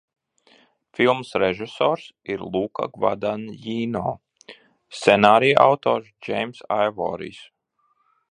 Filmas režisors ir Luka Gvadanjīno, scenārija autors – Džeimss Aivorijs.